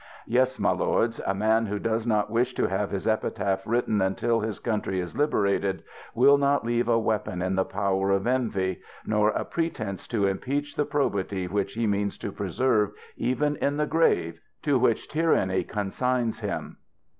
Yes, my lords, a man who does not wish to have his epitaph written until his country is liberated, will not leave a weapon in the power of envy ; nor a pretence to impeach the probity which he means to preserve even in the grave to which tyranny consigns him.